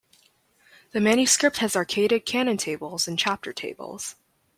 The manuscript has arcaded canon tables and chapter tables.